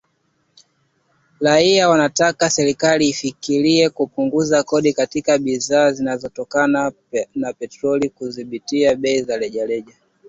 Raia wanataka serikali ifikirie kupunguza kodi katika bidhaa zinazotokana na petroli na kudhibiti bei za rejareja.